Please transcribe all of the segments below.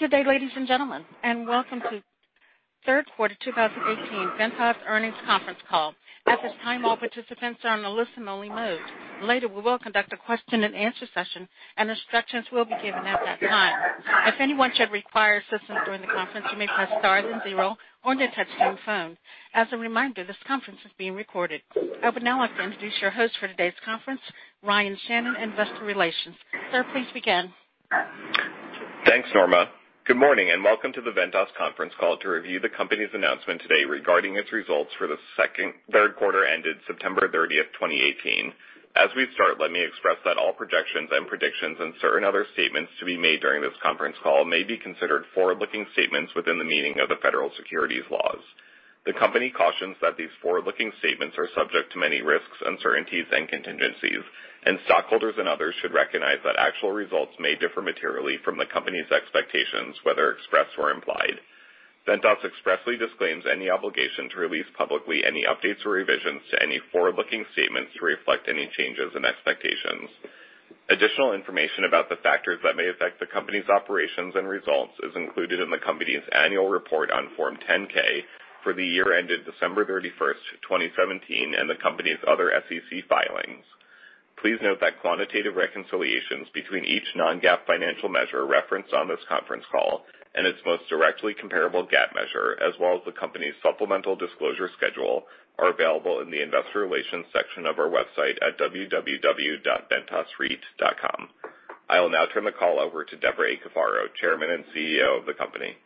Good day, ladies and gentlemen, and welcome to the third quarter 2018 Ventas Earnings Conference Call. At this time, all participants are on a listen-only mode. Later, we will conduct a question and answer session, and instructions will be given at that time. If anyone should require assistance during the conference, you may press star then zero on your touch-tone phone. As a reminder, this conference is being recorded. I would now like to introduce your host for today's conference, Ryan Shannon, Investor Relations. Sir, please begin. Thanks, Norma. Good morning and welcome to the Ventas conference call to review the company's announcement today regarding its results for the third quarter ended September 30th, 2018. As we start, let me express that all projections and predictions and certain other statements to be made during this conference call may be considered forward-looking statements within the meaning of the federal securities laws. The company cautions that these forward-looking statements are subject to many risks, uncertainties, and contingencies, and stockholders and others should recognize that actual results may differ materially from the company's expectations, whether expressed or implied. Ventas expressly disclaims any obligation to release publicly any updates or revisions to any forward-looking statements to reflect any changes in expectations. Additional information about the factors that may affect the company's operations and results is included in the company's annual report on Form 10-K for the year ended December 31st, 2017, and the company's other SEC filings. Please note that quantitative reconciliations between each non-GAAP financial measure referenced on this conference call and its most directly comparable GAAP measure as well as the company's supplemental disclosure schedule are available in the Investor Relations section of our website at www.ventasreit.com. I will now turn the call over to Debra Cafaro, Chairman and CEO of the company.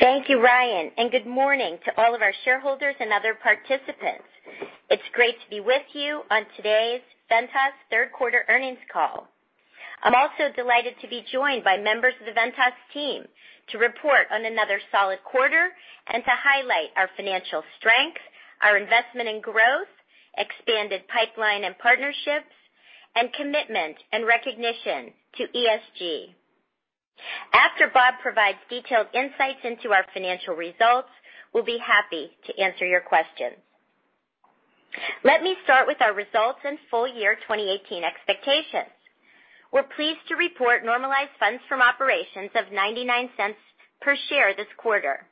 Thank you, Ryan, and good morning to all of our shareholders and other participants. It's great to be with you on today's Ventas third quarter earnings call. I'm also delighted to be joined by members of the Ventas team to report on another solid quarter and to highlight our financial strength, our investment in growth, expanded pipeline and partnerships, and commitment and recognition to ESG. After Bob provides detailed insights into our financial results, we'll be happy to answer your questions. Let me start with our results and full year 2018 expectations. We're pleased to report normalized funds from operations of $0.99 per share this quarter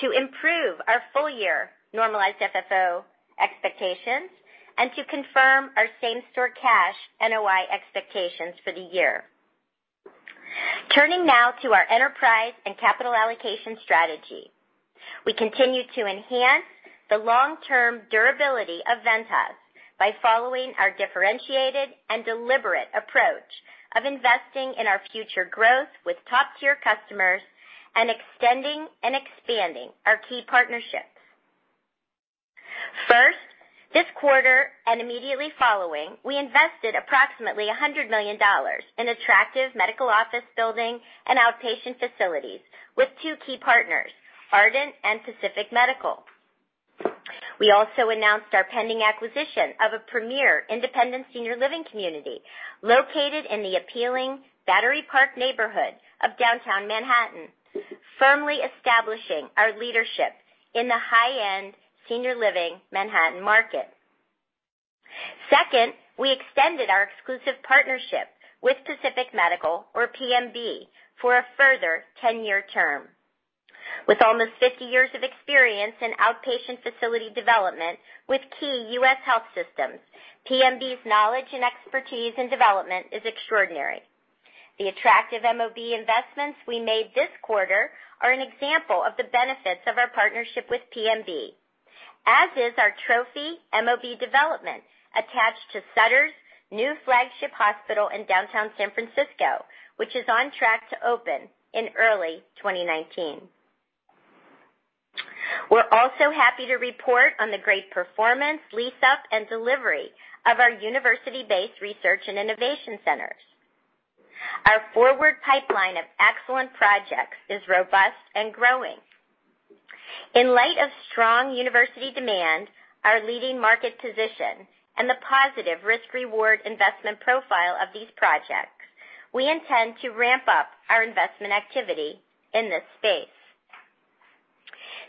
to improve our full-year normalized FFO expectations and to confirm our same-store cash NOI expectations for the year. Turning now to our enterprise and capital allocation strategy. We continue to enhance the long-term durability of Ventas by following our differentiated and deliberate approach of investing in our future growth with top-tier customers and extending and expanding our key partnerships. First, this quarter and immediately following, we invested approximately $100 million in attractive medical office building and outpatient facilities with two key partners, Ardent and Pacific Medical. We also announced our pending acquisition of a premier independent senior living community located in the appealing Battery Park neighborhood of downtown Manhattan, firmly establishing our leadership in the high-end senior living Manhattan market. Second, we extended our exclusive partnership with Pacific Medical, or PMB, for a further 10-year term. With almost 50 years of experience in outpatient facility development with key U.S. health systems, PMB's knowledge and expertise in development is extraordinary. The attractive MOB investments we made this quarter are an example of the benefits of our partnership with PMB, as is our trophy MOB development attached to Sutter's new flagship hospital in downtown San Francisco, which is on track to open in early 2019. We are also happy to report on the great performance, lease-up, and delivery of our university-based research and innovation centers. Our forward pipeline of excellent projects is robust and growing. In light of strong university demand, our leading market position, and the positive risk-reward investment profile of these projects, we intend to ramp up our investment activity in this space.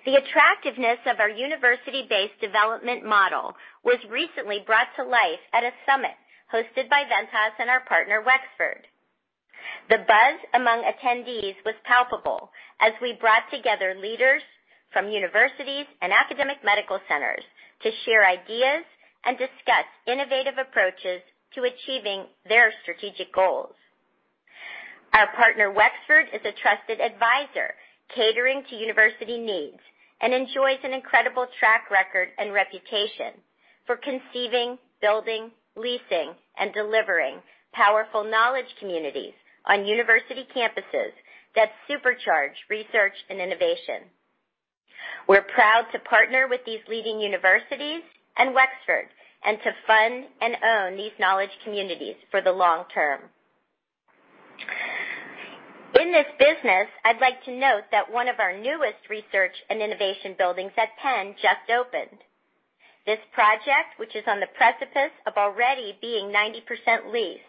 The attractiveness of our university-based development model was recently brought to life at a summit hosted by Ventas and our partner, Wexford. The buzz among attendees was palpable as we brought together leaders from universities and academic medical centers to share ideas and discuss innovative approaches to achieving their strategic goals. Our partner, Wexford, is a trusted advisor catering to university needs and enjoys an incredible track record and reputation for conceiving, building, leasing, and delivering powerful knowledge communities on university campuses that supercharge research and innovation. We are proud to partner with these leading universities and Wexford and to fund and own these knowledge communities for the long term. In this business, I would like to note that one of our newest research and innovation buildings at Penn just opened. This project, which is on the precipice of already being 90% leased,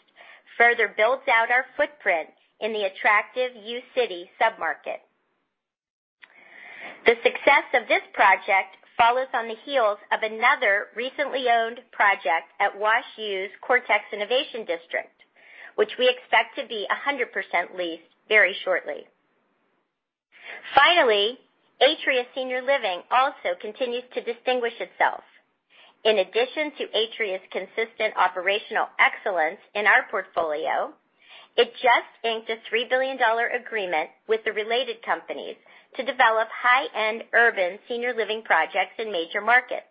further builds out our footprint in the attractive U City sub-market. The success of this project follows on the heels of another recently owned project at WashU's Cortex Innovation District, which we expect to be 100% leased very shortly. Finally, Atria Senior Living also continues to distinguish itself. In addition to Atria's consistent operational excellence in our portfolio, it just inked a $3 billion agreement with the Related Companies to develop high-end urban senior living projects in major markets.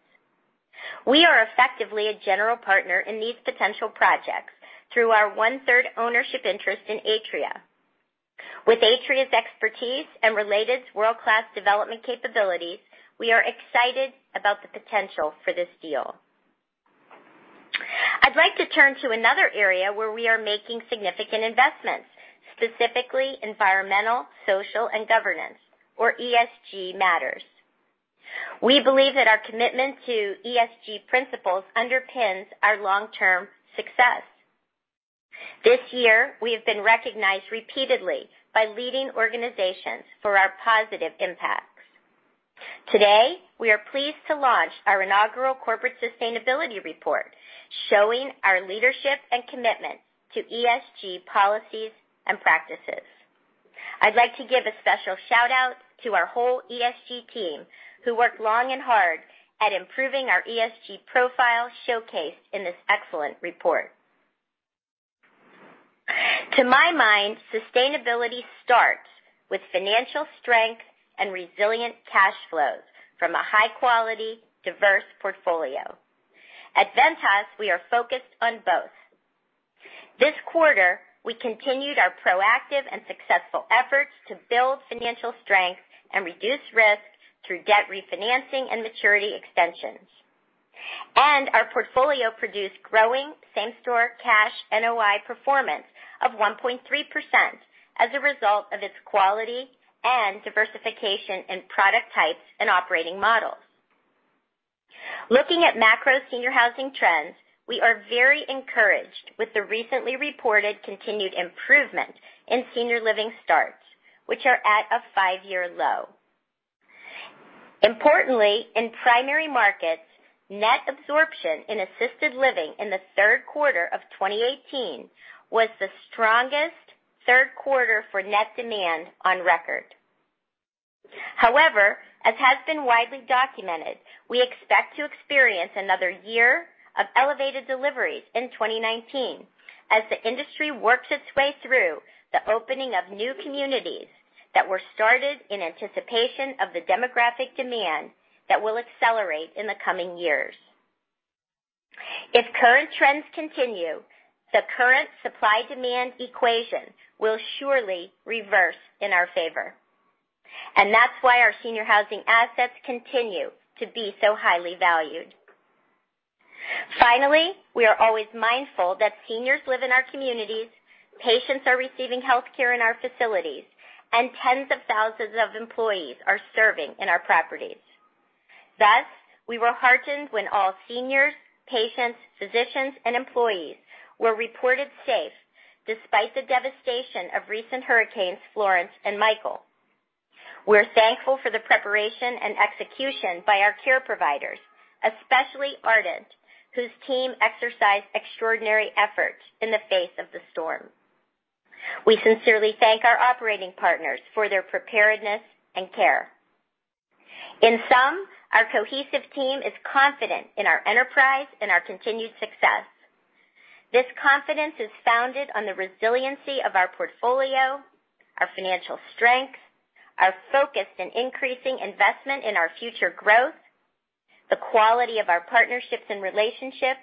We are effectively a general partner in these potential projects through our one-third ownership interest in Atria. With Atria's expertise and Related world-class development capabilities, we are excited about the potential for this deal. I would like to turn to another area where we are making significant investments, specifically environmental, social, and governance, or ESG matters. We believe that our commitment to ESG principles underpins our long-term success. This year, we have been recognized repeatedly by leading organizations for our positive impacts. Today, we are pleased to launch our inaugural corporate sustainability report, showing our leadership and commitment to ESG policies and practices. I'd like to give a special shout-out to our whole ESG team, who worked long and hard at improving our ESG profile showcased in this excellent report. To my mind, sustainability starts with financial strength and resilient cash flows from a high-quality, diverse portfolio. At Ventas, we are focused on both. This quarter, we continued our proactive and successful efforts to build financial strength and reduce risks through debt refinancing and maturity extensions. Our portfolio produced growing same-store cash NOI performance of 1.3% as a result of its quality and diversification in product types and operating models. Looking at macro senior housing trends, we are very encouraged with the recently reported continued improvement in senior living starts, which are at a five-year low. Importantly, in primary markets, net absorption in assisted living in the third quarter of 2018 was the strongest third quarter for net demand on record. However, as has been widely documented, we expect to experience another year of elevated deliveries in 2019 as the industry works its way through the opening of new communities that were started in anticipation of the demographic demand that will accelerate in the coming years. If current trends continue, the current supply-demand equation will surely reverse in our favor. That's why our senior housing assets continue to be so highly valued. Finally, we are always mindful that seniors live in our communities, patients are receiving healthcare in our facilities, and tens of thousands of employees are serving in our properties. Thus, we were heartened when all seniors, patients, physicians, and employees were reported safe despite the devastation of recent hurricanes Florence and Michael. We're thankful for the preparation and execution by our care providers, especially Ardent, whose team exercised extraordinary effort in the face of the storm. We sincerely thank our operating partners for their preparedness and care. In sum, our cohesive team is confident in our enterprise and our continued success. This confidence is founded on the resiliency of our portfolio, our financial strength, our focus in increasing investment in our future growth, the quality of our partnerships and relationships,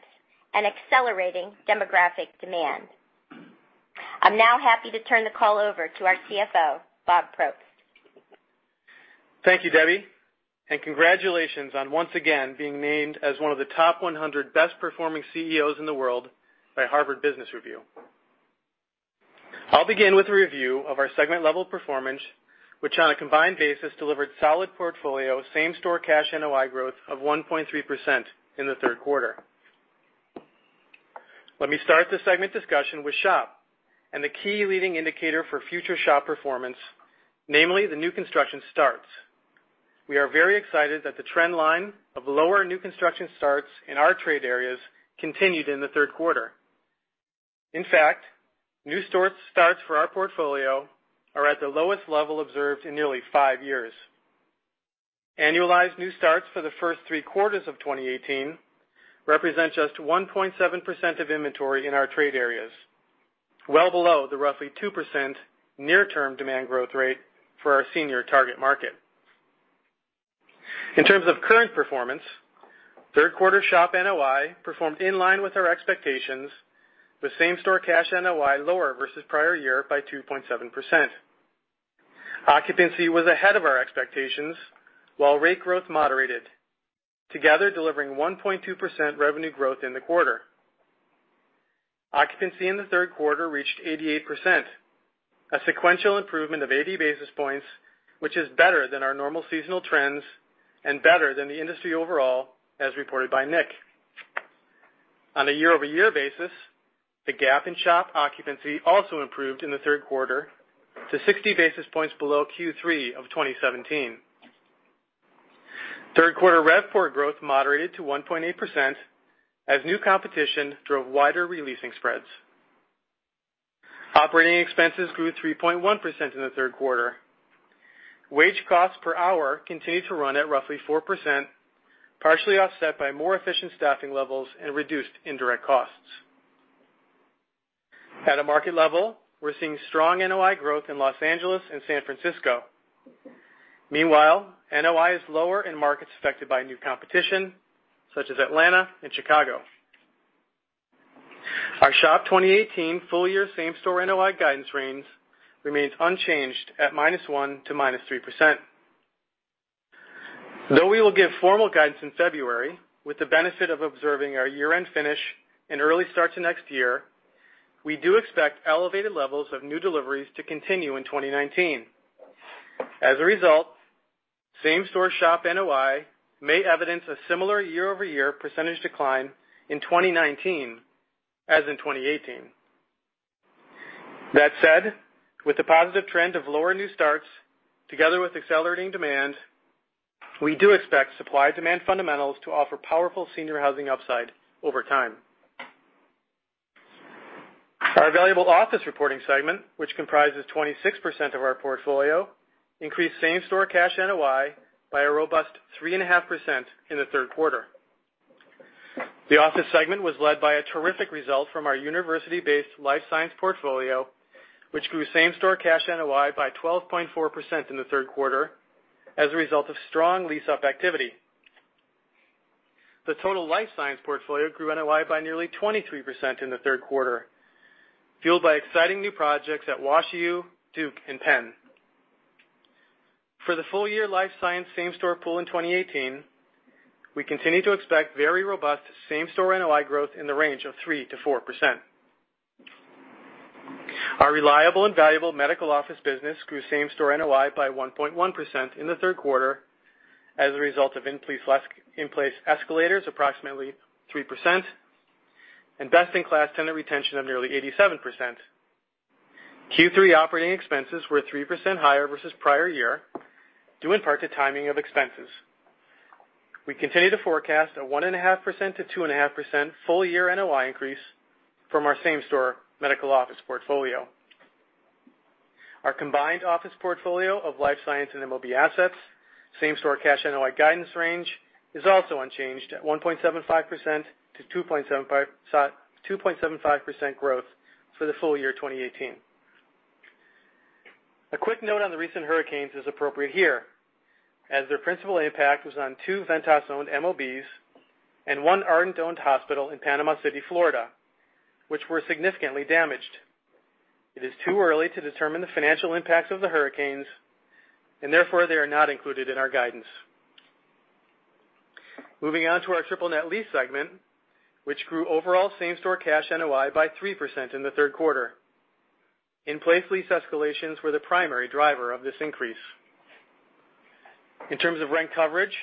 and accelerating demographic demand. I'm now happy to turn the call over to our CFO, Bob Probst. Thank you, Debbie. Congratulations on once again being named as one of the top 100 best-performing CEOs in the world by Harvard Business Review. I'll begin with a review of our segment-level performance, which on a combined basis delivered solid portfolio same-store cash NOI growth of 1.3% in the third quarter. Let me start the segment discussion with SHOP and the key leading indicator for future SHOP performance, namely the new construction starts. We are very excited that the trend line of lower new construction starts in our trade areas continued in the third quarter. In fact, new store starts for our portfolio are at the lowest level observed in nearly five years. Annualized new starts for the first three quarters of 2018 represent just 1.7% of inventory in our trade areas, well below the roughly 2% near-term demand growth rate for our senior target market. In terms of current performance, third quarter SHOP NOI performed in line with our expectations, with same-store cash NOI lower versus prior year by 2.7%. Occupancy was ahead of our expectations while rate growth moderated, together delivering 1.2% revenue growth in the quarter. Occupancy in the third quarter reached 88%, a sequential improvement of 80 basis points, which is better than our normal seasonal trends and better than the industry overall, as reported by NIC. On a year-over-year basis, the gap in SHOP occupancy also improved in the third quarter to 60 basis points below Q3 of 2017. Third quarter RevPOR growth moderated to 1.8%, as new competition drove wider releasing spreads. Operating expenses grew 3.1% in the third quarter. Wage costs per hour continued to run at roughly 4%, partially offset by more efficient staffing levels and reduced indirect costs. At a market level, we're seeing strong NOI growth in Los Angeles and San Francisco. Meanwhile, NOI is lower in markets affected by new competition, such as Atlanta and Chicago. Our SHOP 2018 full-year same-store NOI guidance range remains unchanged at -1% to -3%. Though we will give formal guidance in February with the benefit of observing our year-end finish and early start to next year, we do expect elevated levels of new deliveries to continue in 2019. As a result, same-store SHOP NOI may evidence a similar year-over-year percentage decline in 2019 as in 2018. That said, with the positive trend of lower new starts together with accelerating demand, we do expect supply-demand fundamentals to offer powerful senior housing upside over time. Our valuable office reporting segment, which comprises 26% of our portfolio, increased same-store cash NOI by a robust 3.5% in the third quarter. The office segment was led by a terrific result from our university-based life science portfolio, which grew same-store cash NOI by 12.4% in the third quarter as a result of strong lease-up activity. The total life science portfolio grew NOI by nearly 23% in the third quarter, fueled by exciting new projects at WashU, Duke, and Penn. For the full-year life science same-store pool in 2018, we continue to expect very robust same-store NOI growth in the range of 3%-4%. Our reliable and valuable medical office business grew same-store NOI by 1.1% in the third quarter as a result of in-place escalators approximately 3%, and best-in-class tenant retention of nearly 87%. Q3 operating expenses were 3% higher versus prior year, due in part to timing of expenses. We continue to forecast a 1.5%-2.5% full-year NOI increase from our same-store medical office portfolio. Our combined office portfolio of life science and MOB assets same-store cash NOI guidance range is also unchanged at 1.75%-2.75% growth for the full year 2018. A quick note on the recent hurricanes is appropriate here, as their principal impact was on two Ventas-owned MOBs and one Ardent-owned hospital in Panama City, Florida, which were significantly damaged. It is too early to determine the financial impacts of the hurricanes, and therefore they are not included in our guidance. Moving on to our triple net lease segment, which grew overall same-store cash NOI by 3% in the third quarter. In-place lease escalations were the primary driver of this increase. In terms of rent coverage,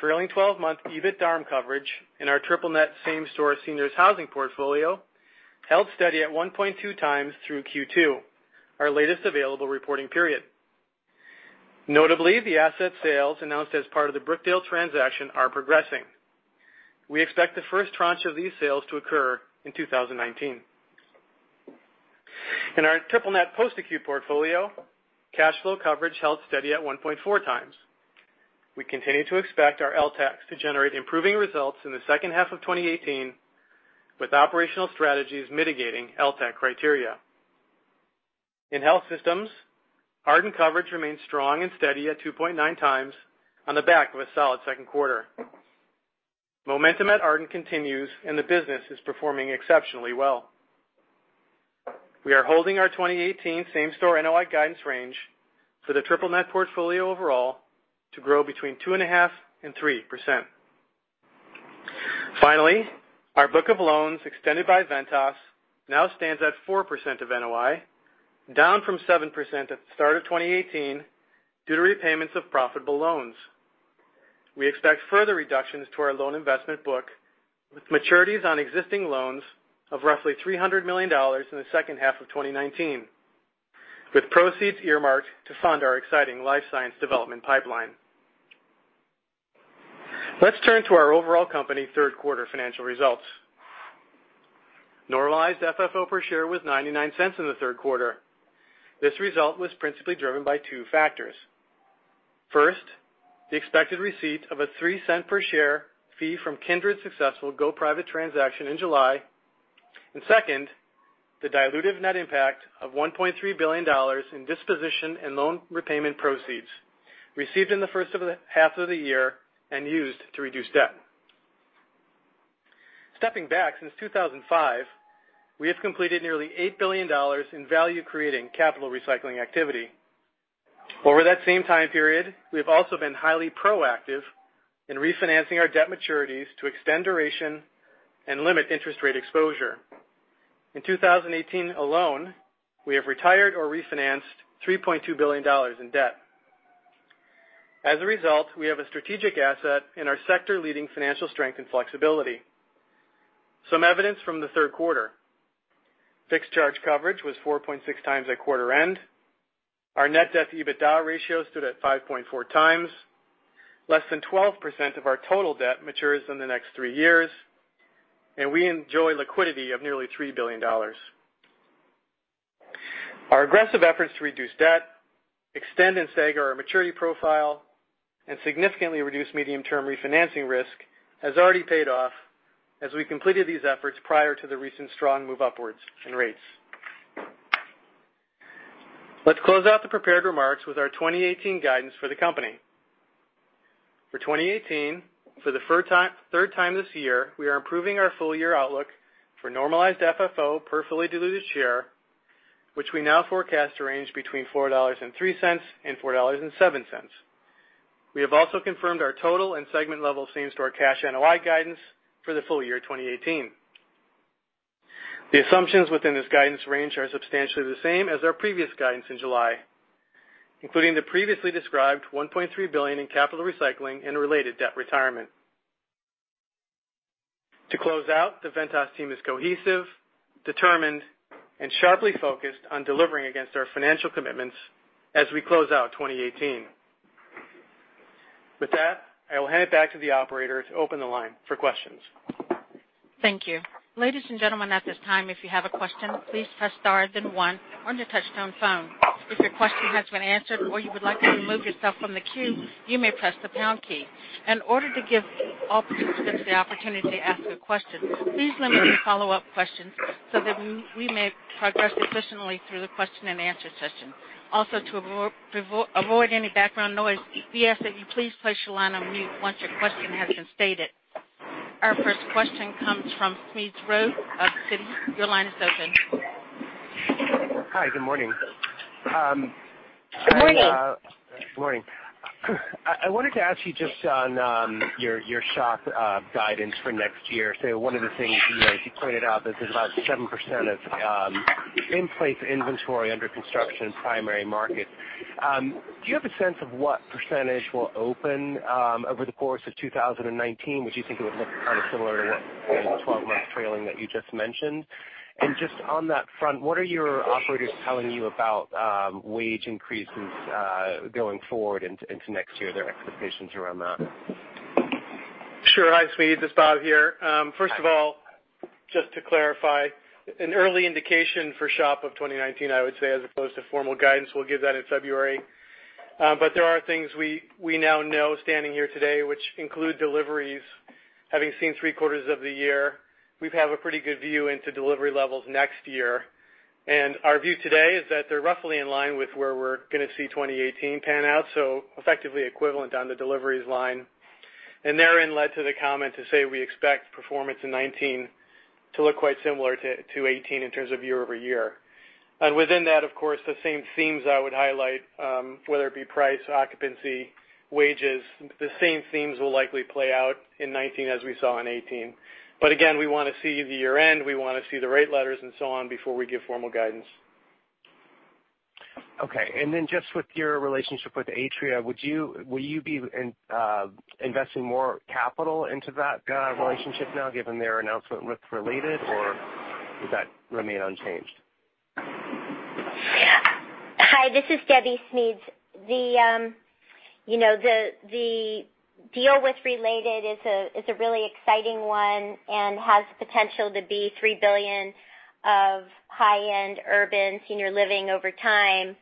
trailing 12-month EBITDARM coverage in our triple net same-store seniors housing portfolio held steady at 1.2 times through Q2, our latest available reporting period. Notably, the asset sales announced as part of the Brookdale transaction are progressing. We expect the first tranche of these sales to occur in 2019. In our triple net post-acute portfolio, cash flow coverage held steady at 1.4 times. We continue to expect our LTACs to generate improving results in the second half of 2018, with operational strategies mitigating LTAC criteria. In health systems, Ardent coverage remains strong and steady at 2.9 times on the back of a solid second quarter. Momentum at Ardent continues, and the business is performing exceptionally well. We are holding our 2018 same-store NOI guidance range for the triple net portfolio overall to grow between 2.5% and 3%. Finally, our book of loans extended by Ventas now stands at 4% of NOI, down from 7% at the start of 2018 due to repayments of profitable loans. We expect further reductions to our loan investment book, with maturities on existing loans of roughly $300 million in the second half of 2019, with proceeds earmarked to fund our exciting life science development pipeline. Let's turn to our overall company third-quarter financial results. Normalized FFO per share was $0.99 in the third quarter. This result was principally driven by two factors. First, the expected receipt of a $0.03-per-share fee from Kindred's successful go private transaction in July. Second, the dilutive net impact of $1.3 billion in disposition and loan repayment proceeds received in the first half of the year and used to reduce debt. Stepping back since 2005, we have completed nearly $8 billion in value-creating capital recycling activity. Over that same time period, we have also been highly proactive in refinancing our debt maturities to extend duration and limit interest rate exposure. In 2018 alone, we have retired or refinanced $3.2 billion in debt. As a result, we have a strategic asset in our sector-leading financial strength and flexibility. Some evidence from the third quarter. Fixed charge coverage was 4.6 times at quarter end. Our net debt-EBITDA ratio stood at 5.4 times. Less than 12% of our total debt matures in the next three years, and we enjoy liquidity of nearly $3 billion. Our aggressive efforts to reduce debt, extend and stagger our maturity profile, and significantly reduce medium-term refinancing risk, has already paid off as we completed these efforts prior to the recent strong move upwards in rates. Let's close out the prepared remarks with our 2018 guidance for the company. For 2018, for the third time this year, we are improving our full-year outlook for normalized FFO per fully diluted share, which we now forecast to range between $4.03 and $4.07. We have also confirmed our total and segment-level same store cash NOI guidance for the full year 2018. The assumptions within this guidance range are substantially the same as our previous guidance in July, including the previously described $1.3 billion in capital recycling and related debt retirement. To close out, the Ventas team is cohesive, determined, and sharply focused on delivering against our financial commitments as we close out 2018. With that, I will hand it back to the operator to open the line for questions. Thank you. Ladies and gentlemen, at this time, if you have a question, please press star, then one on your touch-tone phone. If your question has been answered or you would like to remove yourself from the queue, you may press the pound key. In order to give all participants the opportunity to ask a question, please limit your follow-up questions so that we may progress efficiently through the question and answer session. Also, to avoid any background noise, we ask that you please place your line on mute once your question has been stated. Our first question comes from Smedes Rose of Citi. Your line is open. Hi, good morning. Good morning. Good morning. I wanted to ask you just on your SHOP guidance for next year. One of the things you pointed out is there's about 7% of in-place inventory under construction in primary markets. Do you have a sense of what percentage will open over the course of 2019? Would you think it would look kind of similar to that 12-month trailing that you just mentioned? Just on that front, what are your operators telling you about wage increases going forward into next year, their expectations around that? Sure. Hi, Smedes. This is Bob here. First of all, just to clarify, an early indication for SHOP of 2019, I would say, as opposed to formal guidance, we'll give that in February. There are things we now know standing here today, which include deliveries. Having seen three quarters of the year, we have a pretty good view into delivery levels next year. Our view today is that they're roughly in line with where we're going to see 2018 pan out. Effectively equivalent on the deliveries line, and therein led to the comment to say we expect performance in 2019 to look quite similar to 2018 in terms of year-over-year. Within that, of course, the same themes I would highlight, whether it be price, occupancy, wages. The same themes will likely play out in 2019 as we saw in 2018. Again, we want to see the year-end, we want to see the rate letters and so on before we give formal guidance. Okay. Just with your relationship with Atria, will you be investing more capital into that relationship now given their announcement with Related, or does that remain unchanged? Hi, this is Debbie, Smedes. The deal with Related is a really exciting one and has the potential to be $3 billion of high-end urban senior living over time.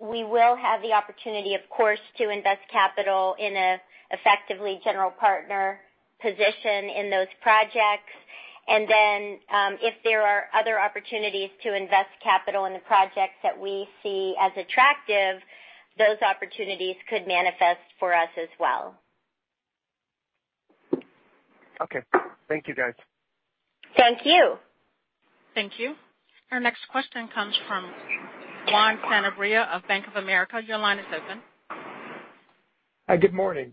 We will have the opportunity, of course, to invest capital in an effectively general partner position in those projects. If there are other opportunities to invest capital in the projects that we see as attractive, those opportunities could manifest for us as well. Okay. Thank you, guys. Thank you. Thank you. Our next question comes from Juan Sanabria of Bank of America. Your line is open. Hi, good morning.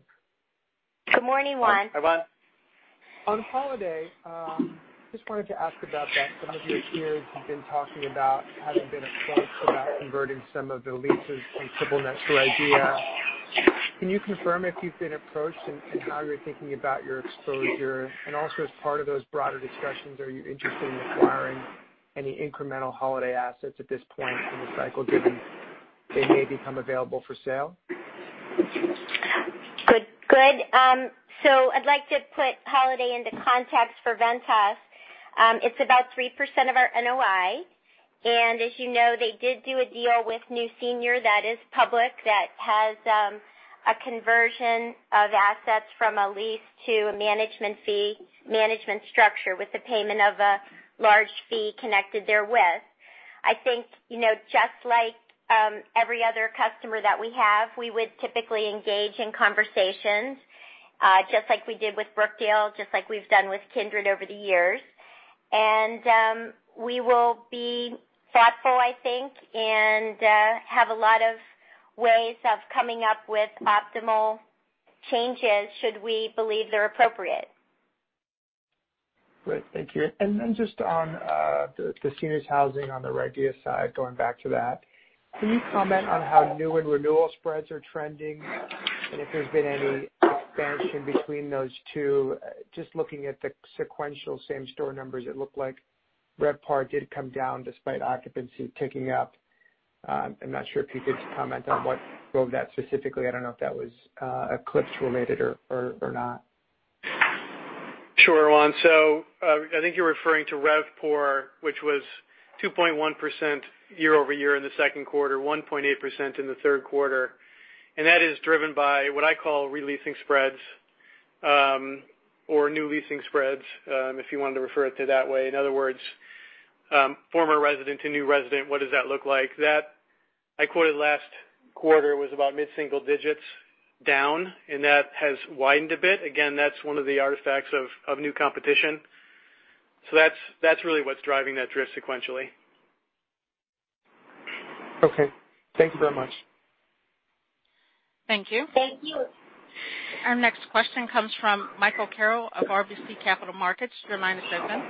Good morning, Juan. Hi, Juan. On Holiday, just wanted to ask about that. Some of your peers have been talking about having been approached about converting some of their leases to triple net REITs. Can you confirm if you've been approached and how you're thinking about your exposure? Also as part of those broader discussions, are you interested in acquiring any incremental Holiday assets at this point in the cycle, given they may become available for sale? Good. I'd like to put Holiday into context for Ventas. It's about 3% of our NOI, and as you know, they did do a deal with New Senior that is public that has a conversion of assets from a lease to a management fee management structure with the payment of a large fee connected therewith. I think, just like every other customer that we have, we would typically engage in conversations, just like we did with Brookdale, just like we've done with Kindred over the years. We will be thoughtful, I think, and have a lot of ways of coming up with optimal changes should we believe they're appropriate. Just on the seniors housing on the RIDEA side, going back to that, can you comment on how new and renewal spreads are trending and if there has been any expansion between those two? Looking at the sequential same-store numbers, it looked like RevPAR did come down despite occupancy ticking up. I am not sure if you could comment on what drove that specifically. I do not know if that was eclipse-related or not. Sure, Juan. I think you are referring to RevPOR, which was 2.1% year-over-year in the second quarter, 1.8% in the third quarter. That is driven by what I call re-leasing spreads, or new leasing spreads, if you wanted to refer it to that way. In other words, former resident to new resident, what does that look like? That, I quoted last quarter, was about mid-single digits down, and that has widened a bit. Again, that is one of the artifacts of new competition. That is really what is driving that drift sequentially. Okay. Thanks very much. Thank you. Thank you. Our next question comes from Michael Carroll of RBC Capital Markets. Your line is open.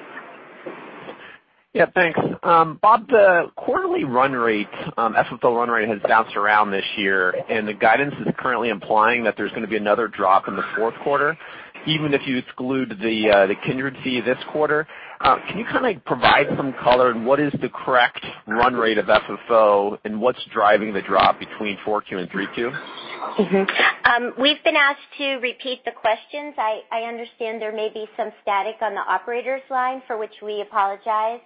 Yeah, thanks. Bob, the quarterly run rate, FFO run rate, has bounced around this year. The guidance is currently implying that there's going to be another drop in the fourth quarter, even if you exclude the Kindred fee this quarter. Can you kind of provide some color on what is the correct run rate of FFO, and what's driving the drop between 4Q and 3Q? We've been asked to repeat the questions. I understand there may be some static on the operator's line, for which we apologize.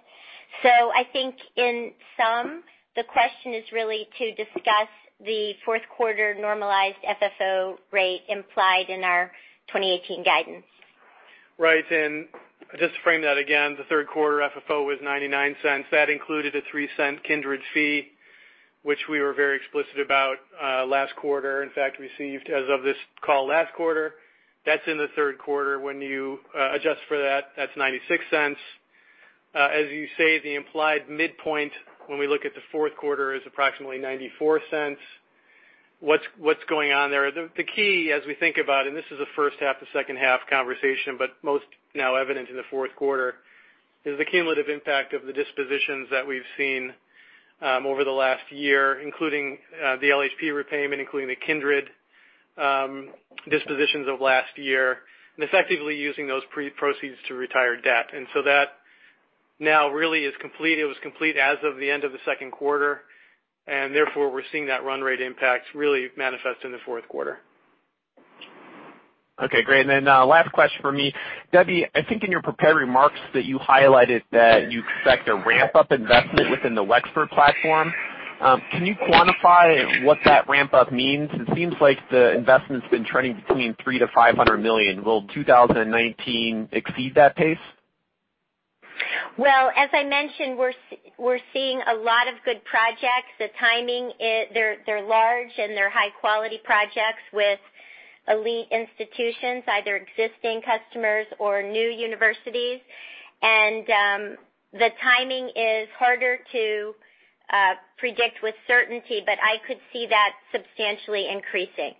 I think in sum, the question is really to discuss the fourth quarter normalized FFO rate implied in our 2018 guidance. Right. Just to frame that again, the third quarter FFO was $0.99. That included a $0.03 Kindred fee, which we were very explicit about last quarter. In fact, received as of this call last quarter. That's in the third quarter. When you adjust for that's $0.96. As you say, the implied midpoint when we look at the fourth quarter is approximately $0.94. What's going on there? The key, as we think about it, this is a first half to second half conversation, but most now evident in the fourth quarter, is the cumulative impact of the dispositions that we've seen over the last year, including the LHP repayment, including the Kindred dispositions of last year, and effectively using those proceeds to retire debt. That now really is complete. It was complete as of the end of the second quarter, we're seeing that run rate impact really manifest in the fourth quarter. Okay, great. Last question from me. Debbie, I think in your prepared remarks that you highlighted that you expect a ramp-up investment within the Wexford platform. Can you quantify what that ramp-up means? It seems like the investment's been trending between $300 million-$500 million. Will 2019 exceed that pace? Well, as I mentioned, we're seeing a lot of good projects. They're large and they're high-quality projects with elite institutions, either existing customers or new universities. The timing is harder to predict with certainty, but I could see that substantially increasing.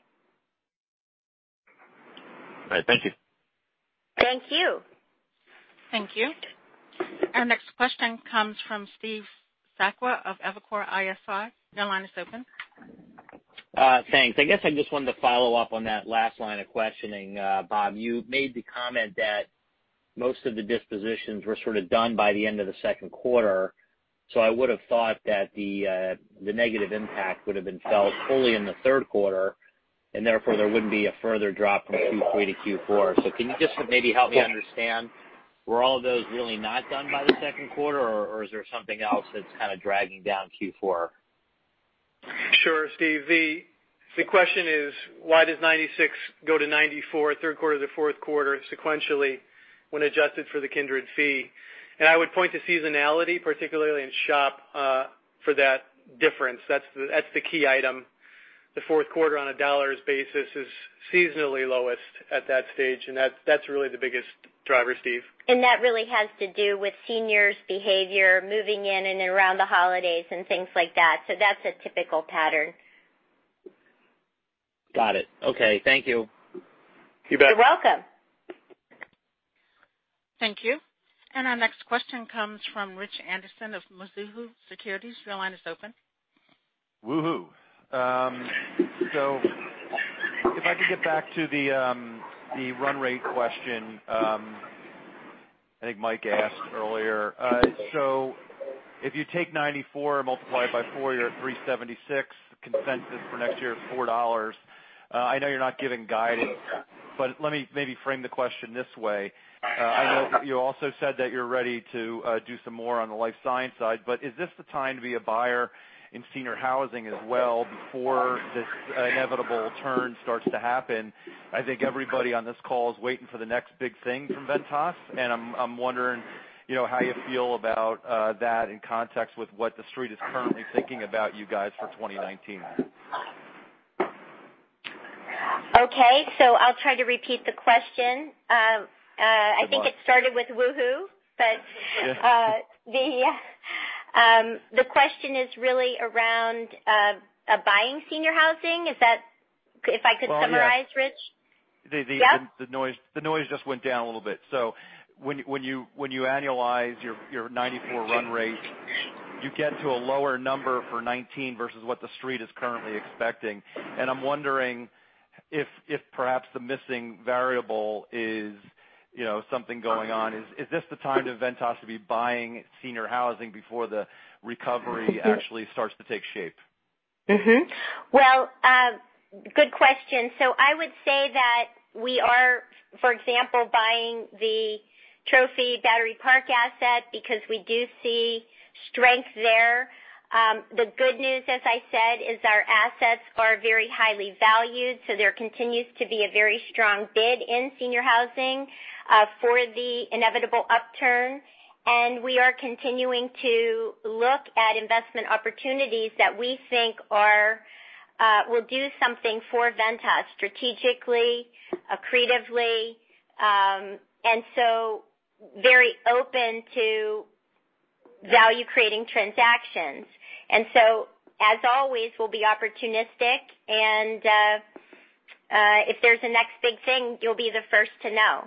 All right. Thank you. Thank you. Thank you. Our next question comes from Steve Sakwa of Evercore ISI. Your line is open. Thanks. I guess I just wanted to follow up on that last line of questioning. Bob, you made the comment that most of the dispositions were sort of done by the end of the second quarter. I would have thought that the negative impact would have been felt fully in the third quarter, and therefore there wouldn't be a further drop from Q3 to Q4. Can you just maybe help me understand, were all of those really not done by the second quarter, or is there something else that's kind of dragging down Q4? Sure, Steve. The question is why does 96 go to 94 third quarter to fourth quarter sequentially when adjusted for the Kindred fee? I would point to seasonality, particularly in SHOP for that difference. That's the key item. The fourth quarter on a dollars basis is seasonally lowest at that stage, and that's really the biggest driver, Steve. That really has to do with seniors' behavior, moving in and around the holidays and things like that. That's a typical pattern. Got it. Okay. Thank you. You bet. You're welcome. Thank you. Our next question comes from Rich Anderson of Mizuho Securities. Your line is open. Woohoo. If I could get back to the run rate question I think Mike asked earlier. If you take 94 and multiply it by 4, you're at 376. Consensus for next year is $4. I know you're not giving guidance, let me maybe frame the question this way. I know you also said that you're ready to do some more on the life science side, is this the time to be a buyer in senior housing as well before this inevitable turn starts to happen? I think everybody on this call is waiting for the next big thing from Ventas, I'm wondering how you feel about that in context with what the Street is currently thinking about you guys for 2019. Okay. I'll try to repeat the question. Good luck. I think it started with woohoo. Yeah. The question is really around buying senior housing. Is that if I could summarize, Rich? The noise just went down a little bit. When you annualize your 94 run rate, you get to a lower number for 19 versus what the street is currently expecting. I'm wondering if perhaps the missing variable is something going on. Is this the time for Ventas to be buying senior housing before the recovery actually starts to take shape? Good question. I would say that we are, for example, buying the Trophy Battery Park asset because we do see strength there. The good news, as I said, is our assets are very highly valued, there continues to be a very strong bid in senior housing, for the inevitable upturn. We are continuing to look at investment opportunities that we think will do something for Ventas strategically, creatively, very open to value-creating transactions. As always, we'll be opportunistic and if there's a next big thing, you'll be the first to know.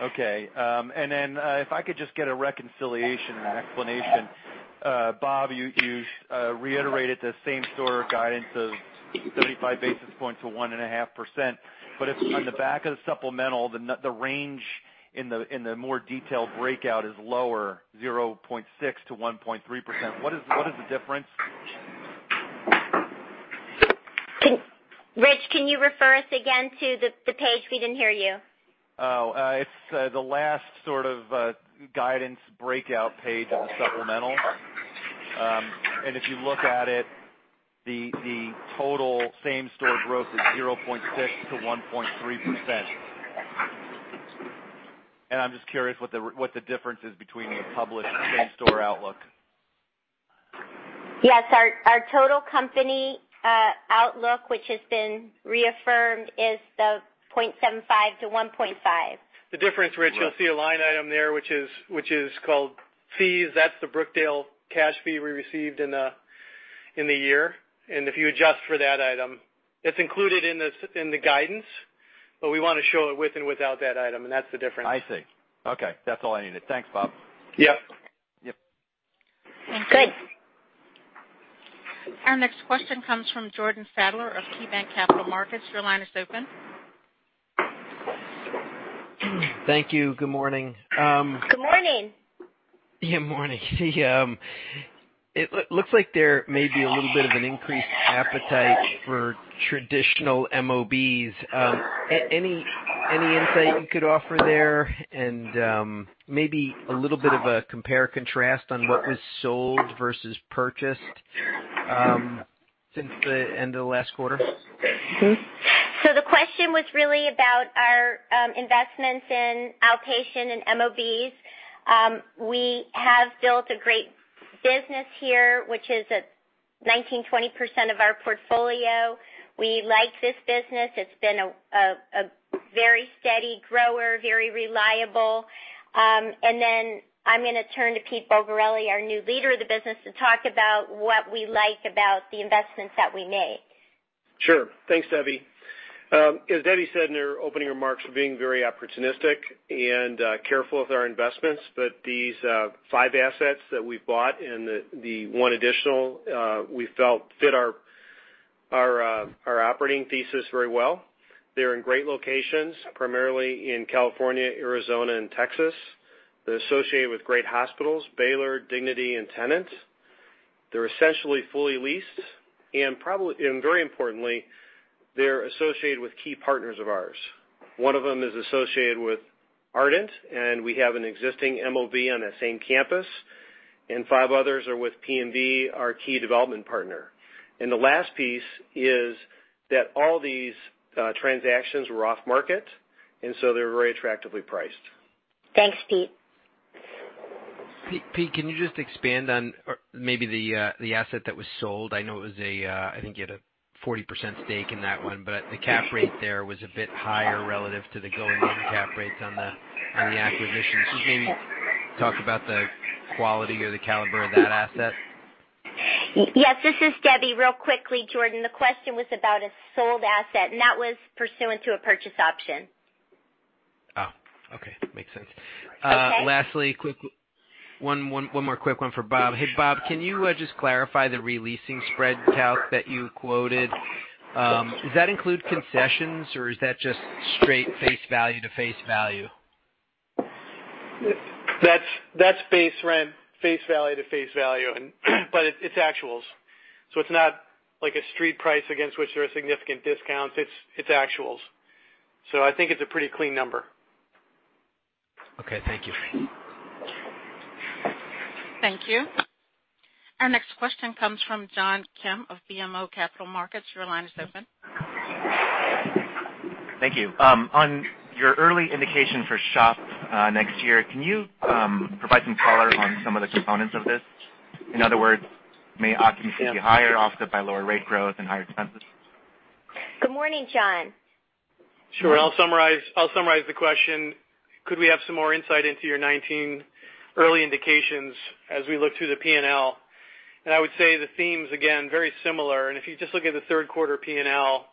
Okay. If I could just get a reconciliation and an explanation. Bob, you reiterated the same store guidance of 35 basis points to 1.5%. On the back of the supplemental, the range in the more detailed breakout is lower, 0.6%-1.3%. What is the difference? Rich, can you refer us again to the page? We didn't hear you. It's the last sort of guidance breakout page of the supplemental. If you look at it, the total same-store growth is 0.6%-1.3%. I'm just curious what the difference is between the published same-store outlook. Yes, our total company outlook, which has been reaffirmed, is the $0.75-$1.50. The difference, Rich, you'll see a line item there, which is called fees. That's the Brookdale cash fee we received in the year. If you adjust for that item, it's included in the guidance, we want to show it with and without that item, that's the difference. I see. Okay. That's all I needed. Thanks, Bob. Yep. Yep. Thank you. Our next question comes from Jordan Sadler of KeyBanc Capital Markets. Your line is open. Thank you. Good morning. Good morning. Yeah, morning. It looks like there may be a little bit of an increased appetite for traditional MOBs. Any insight you could offer there? Maybe a little bit of a compare and contrast on what was sold versus purchased since the end of last quarter? The question was really about our investments in outpatient and MOBs. We have built a great business here, which is 19%-20% of our portfolio. We like this business. It's been a very steady grower, very reliable. I'm going to turn to Peter Bulgarelli, our new leader of the business, to talk about what we like about the investments that we made. Sure. Thanks, Debbie. As Debbie said in her opening remarks, we're being very opportunistic and careful with our investments, but these five assets that we've bought and the one additional, we felt fit our operating thesis very well. They're in great locations, primarily in California, Arizona, and Texas. They're associated with great hospitals, Baylor, Dignity, and Tenet. They're essentially fully leased, and very importantly, they're associated with key partners of ours. One of them is associated with Ardent, and we have an existing MOB on that same campus. Five others are with PMB, our key development partner. The last piece is that all these transactions were off-market, they were very attractively priced. Thanks, Pete. Pete, can you expand on maybe the asset that was sold? I know, I think you had a 40% stake in that one, the cap rate there was a bit higher relative to the going-in cap rates on the acquisitions. Maybe talk about the quality or the caliber of that asset. Yes, this is Debra. Real quickly, Jordan. The question was about a sold asset, that was pursuant to a purchase option. Oh, okay. Makes sense. Okay. Lastly, one more quick one for Bob. Hey, Bob, can you just clarify the re-leasing spread calc that you quoted? Does that include concessions, or is that just straight face value to face value? That's base rent, face value to face value. It's actuals, so it's not like a street price against which there are significant discounts. It's actuals. I think it's a pretty clean number. Okay, thank you. Thank you. Our next question comes from John Kim of BMO Capital Markets. Your line is open. Thank you. On your early indication for SHOP next year, can you provide some color on some of the components of this? In other words, may occupancy be higher, offset by lower rate growth and higher expenses? Good morning, John. Sure. I'll summarize the question. Could we have some more insight into your 2019 early indications as we look through the P&L? I would say the themes, again, very similar. If you just look at the third quarter P&L,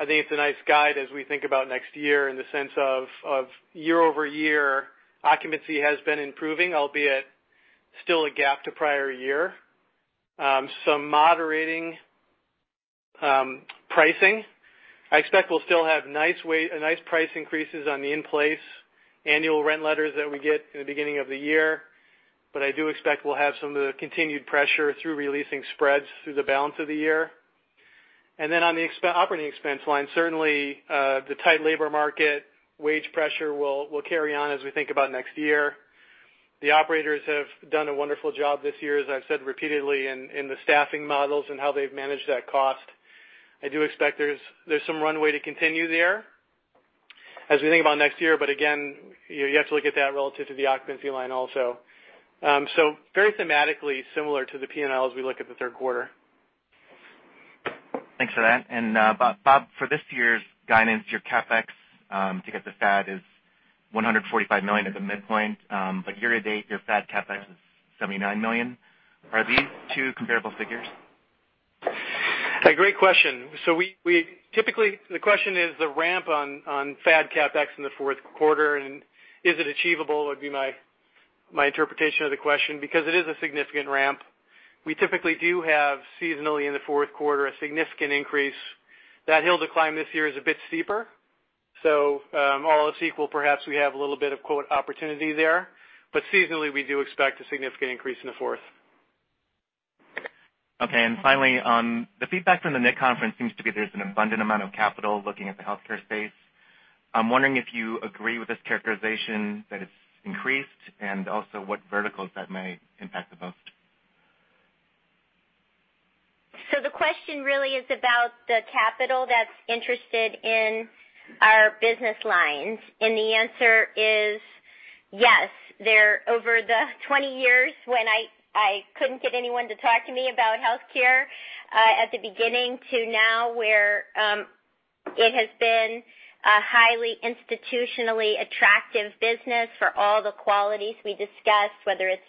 I think it's a nice guide as we think about next year in the sense of year-over-year occupancy has been improving, albeit still a gap to prior year. Some moderating pricing. I expect we'll still have nice price increases on the in-place annual rent letters that we get in the beginning of the year. I do expect we'll have some of the continued pressure through releasing spreads through the balance of the year. On the operating expense line, certainly, the tight labor market wage pressure will carry on as we think about next year. The operators have done a wonderful job this year, as I've said repeatedly, in the staffing models and how they've managed that cost. I do expect there's some runway to continue there as we think about next year, again, you have to look at that relative to the occupancy line also. Very thematically similar to the P&L as we look at the third quarter. Thanks for that. Bob, for this year's guidance, your CapEx, to get to FAD is $145 million at the midpoint. Year-to-date, your FAD CapEx is $79 million. Are these two comparable figures? A great question. The question is the ramp on FAD CapEx in the fourth quarter and is it achievable, would be my interpretation of the question, it is a significant ramp. We typically do have seasonally in the fourth quarter, a significant increase. That hill to climb this year is a bit steeper. All else equal, perhaps we have a little bit of, quote, "opportunity" there, seasonally, we do expect a significant increase in the fourth. Okay. Finally, the feedback from the NIC conference seems to be there's an abundant amount of capital looking at the healthcare space. I'm wondering if you agree with this characterization that it's increased, and also what verticals that may impact the most? The question really is about the capital that's interested in our business lines, and the answer is yes. Over the 20 years when I couldn't get anyone to talk to me about healthcare at the beginning to now where it has been a highly institutionally attractive business for all the qualities we discussed, whether it's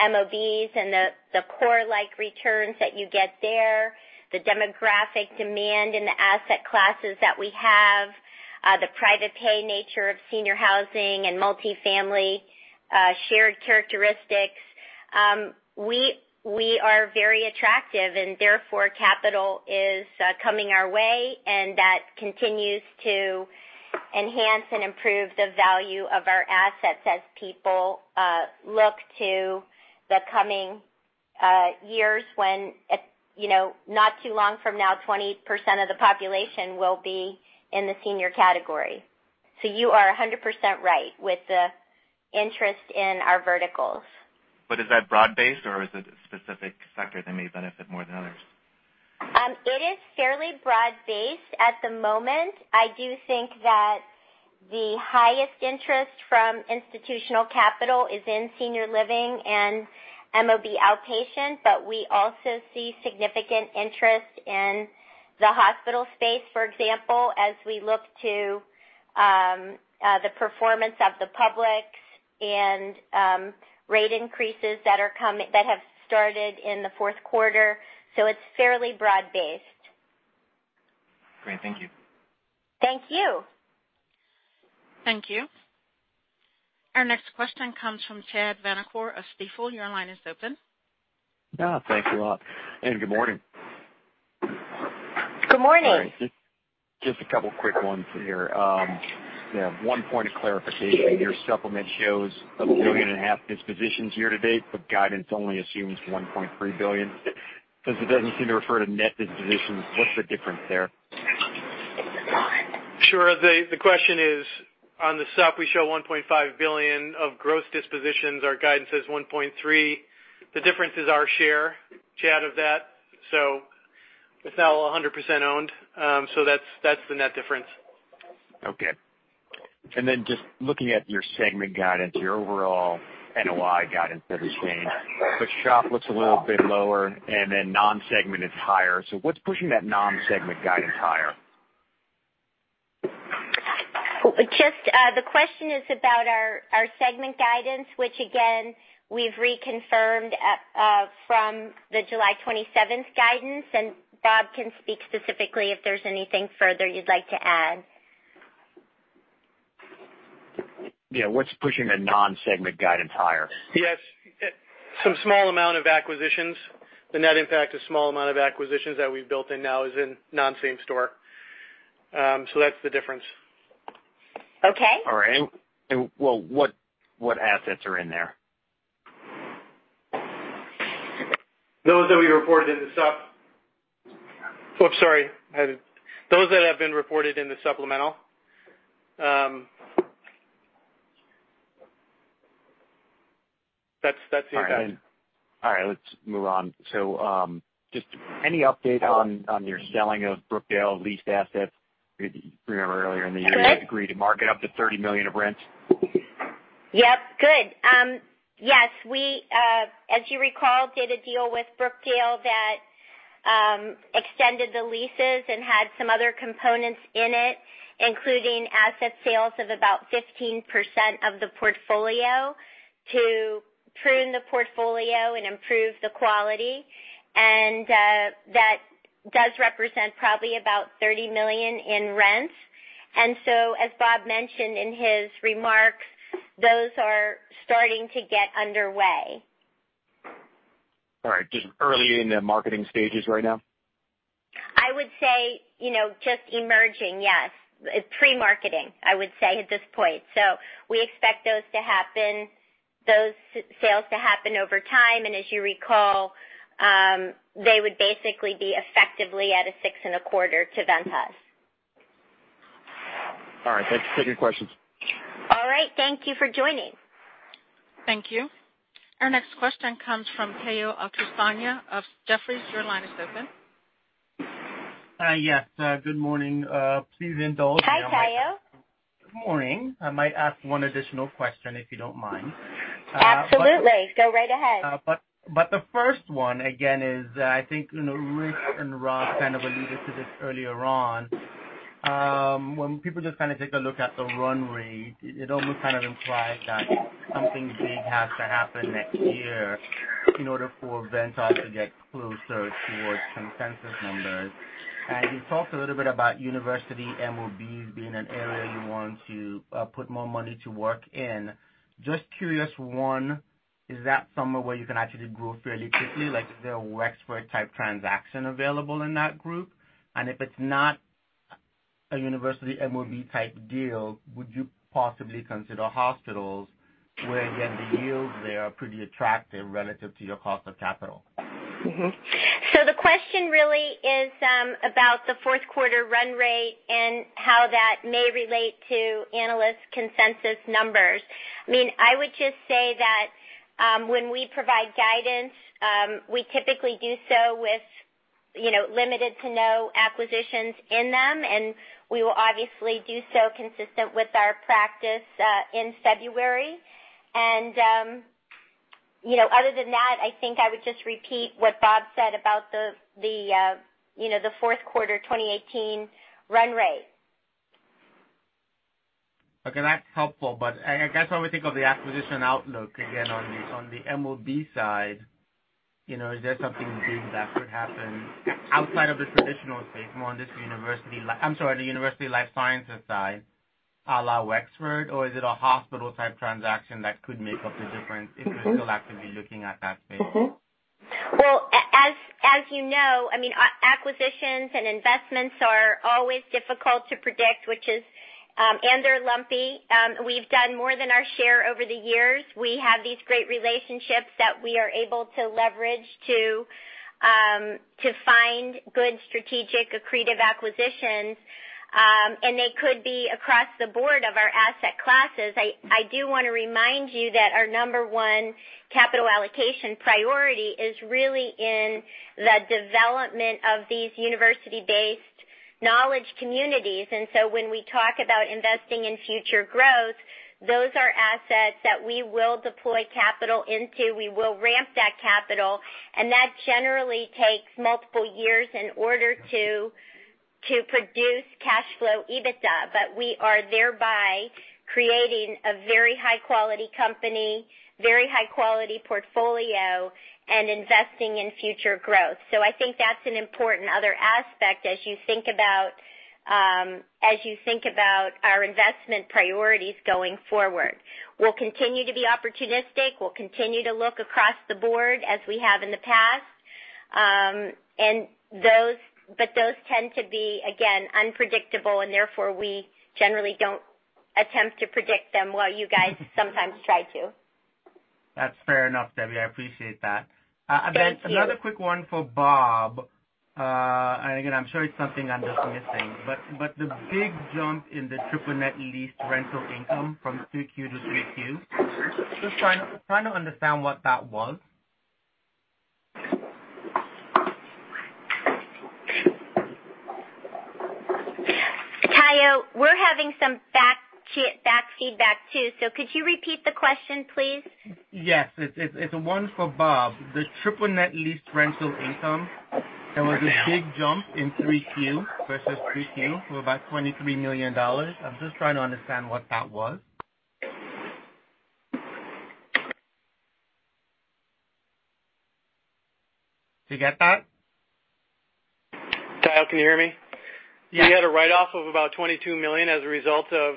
MOBs and the core-like returns that you get there, the demographic demand in the asset classes that we have, the private pay nature of senior housing and multifamily shared characteristics. We are very attractive and therefore capital is coming our way and that continues to enhance and improve the value of our assets as people look to the coming years when, not too long from now, 20% of the population will be in the senior category. You are 100% right with the interest in our verticals. Is that broad-based or is it a specific sector that may benefit more than others? It is fairly broad-based at the moment. I do think that the highest interest from institutional capital is in senior living and MOB outpatient, but we also see significant interest in the hospital space, for example, as we look to the performance of the public and rate increases that have started in the fourth quarter. It's fairly broad-based. Great. Thank you. Thank you. Thank you. Our next question comes from Chad Vanacore of Stifel. Your line is open. Yeah. Thank you a lot, good morning. Good morning. All right. Just a couple quick ones here. One point of clarification. Your supplement shows a billion and a half dispositions year to date, but guidance only assumes $1.3 billion. Since it doesn't seem to refer to net dispositions, what's the difference there? Sure. The question is, on the supp we show $1.5 billion of gross dispositions. Our guidance says $1.3. The difference is our share, Chad, of that. It's not all 100% owned. That's the net difference. Okay. Just looking at your segment guidance, your overall NOI guidance hasn't changed, but SHOP looks a little bit lower and then non-segment is higher. What's pushing that non-segment guidance higher? The question is about our segment guidance, which again, we've reconfirmed from the July 27th guidance, and Bob can speak specifically if there's anything further you'd like to add. Yeah, what's pushing the non-segment guidance higher? Yes. Some small amount of acquisitions. The net impact of small amount of acquisitions that we've built in now is in non-same store. That's the difference. Okay. All right. What assets are in there? Those that we reported in the sup. Oh, sorry. Those that have been reported in the supplemental. That's the impact. All right. Let's move on. Just any update on your selling of Brookdale leased assets? You remember earlier in the year- You agreed to market up to $30 million of rent? Yep. Good. Yes. We, as you recall, did a deal with Brookdale that extended the leases and had some other components in it, including asset sales of about 15% of the portfolio to prune the portfolio and improve the quality. That does represent probably about $30 million in rents. As Bob mentioned in his remarks, those are starting to get underway. All right. Just early in the marketing stages right now? I would say, just emerging, yes. Pre-marketing, I would say, at this point. We expect those sales to happen over time. As you recall, they would basically be effectively at a six and a quarter to Ventas. All right. Thanks. Second questions. All right. Thank you for joining. Thank you. Our next question comes from Tayo Okusanya of Jefferies. Your line is open. Yes. Good morning. Please indulge. Hi, Tayo. Good morning. I might ask one additional question, if you don't mind. Absolutely. Go right ahead. The first one, again, is, I think, Rich and Bob kind of alluded to this earlier on. When people just take a look at the run rate, it almost kind of implies that something big has to happen next year in order for Ventas to get closer towards consensus numbers. You talked a little bit about university MOBs being an area you want to put more money to work in. Just curious, one, is that somewhere where you can actually grow fairly quickly? Like is there a Wexford type transaction available in that group? If it's not a university MOB type deal, would you possibly consider hospitals where, again, the yields there are pretty attractive relative to your cost of capital? The question really is about the fourth quarter run rate and how that may relate to analyst consensus numbers. I would just say that, when we provide guidance, we typically do so with limited to no acquisitions in them, and we will obviously do so consistent with our practice in February. Other than that, I think I would just repeat what Bob said about the fourth quarter 2018 run rate. Okay. That's helpful. I guess when we think of the acquisition outlook, again, on the MOB side, is there something big that could happen outside of the traditional space, more on the university life sciences side, a la Wexford? Is it a hospital type transaction that could make up the difference if you're still actively looking at that space? Well, as you know, acquisitions and investments are always difficult to predict, and they're lumpy. We've done more than our share over the years. We have these great relationships that we are able to leverage to find good strategic accretive acquisitions. They could be across the board of our asset classes. I do want to remind you that our number one capital allocation priority is really in the development of these university-based knowledge communities. When we talk about investing in future growth, those are assets that we will deploy capital into. We will ramp that capital, and that generally takes multiple years in order to produce cash flow EBITDA. We are thereby creating a very high-quality company, very high-quality portfolio, and investing in future growth. I think that's an important other aspect as you think about our investment priorities going forward. We'll continue to be opportunistic. We'll continue to look across the board as we have in the past. Those tend to be, again, unpredictable, and therefore, we generally don't attempt to predict them while you guys sometimes try to. That's fair enough, Debbie. I appreciate that. Thank you. Another quick one for Bob. Again, I'm sure it's something I'm just missing, but the big jump in the triple net lease rental income from Q2 to Q3. Just trying to understand what that was. Tayo, we're having some bad feedback too. Could you repeat the question, please? Yes. It's one for Bob. The triple net lease rental income, there was a big jump in Q3 versus Q2 for about $23 million. I'm just trying to understand what that was. Did you get that? Tayo, can you hear me? Yeah. We had a write-off of about $22 million as a result of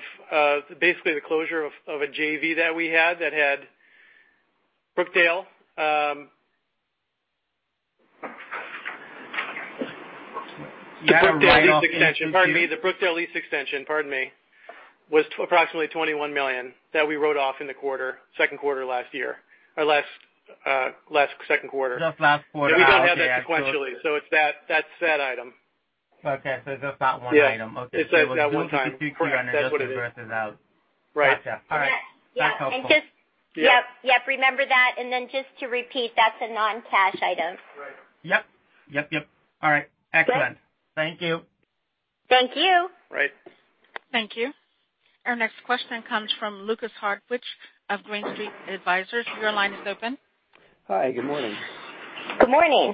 basically the closure of a JV that we had, that had Brookdale. We had a write-off in Q2. The Brookdale lease extension, pardon me, was approximately $21 million that we wrote off in the second quarter last year, or last second quarter. Just last quarter. We don't have that sequentially. That's that item. Okay. Just that one item. Okay. It's that one time. Correct. That's what it is. When you do Q3 earnings, that'll be versus out. Right. Gotcha. All right. That's helpful. Yep. Remember that, and then just to repeat, that's a non-cash item. Right. Yep. All right. Excellent. Great. Thank you. Thank you. Right. Thank you. Our next question comes from Lukas Hartwich of Green Street Advisors. Your line is open. Hi, good morning. Good morning.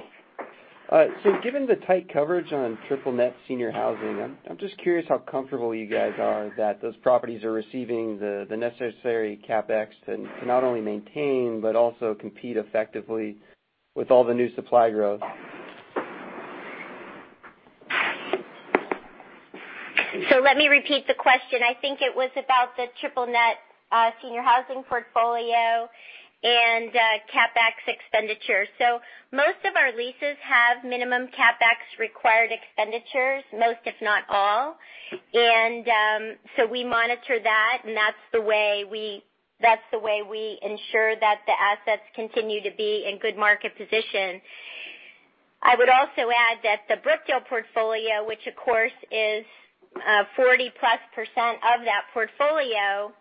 Given the tight coverage on triple net senior housing, I'm just curious how comfortable you guys are that those properties are receiving the necessary CapEx to not only maintain, but also compete effectively with all the new supply growth. Let me repeat the question. I think it was about the triple net senior housing portfolio and CapEx expenditure. Most of our leases have minimum CapEx required expenditures, most if not all. We monitor that, and that's the way we ensure that the assets continue to be in good market position. I would also add that the Brookdale portfolio, which of course is, 40% plus of that portfolio,